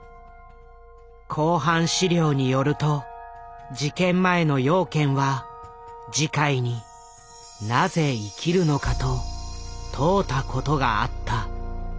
公判資料によると事件前の養賢は慈海に「なぜ生きるのか？」と問うたことがあった。